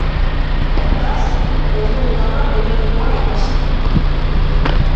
Hortaz, ez du taula periodikoa ikasi.